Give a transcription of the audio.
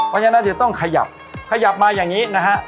เพราะฉะนั้นจะต้องขยับขยับมาอย่างนี้นะฮะ